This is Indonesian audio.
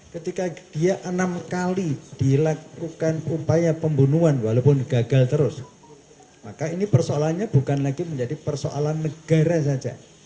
ketika dia enam kali dilakukan upaya pembunuhan walaupun gagal terus maka ini persoalannya bukan lagi menjadi persoalan negara saja